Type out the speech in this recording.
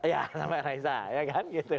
ya sampai raisa ya kan